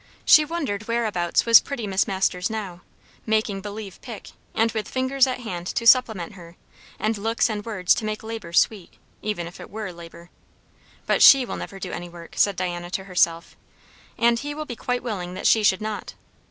She wondered whereabouts was pretty Miss Masters now, making believe pick, and with fingers at hand to supplement her, and looks and words to make labour sweet, even if it were labour. "But she will never do any work," said Diana to herself; "and he will be quite willing that she should not."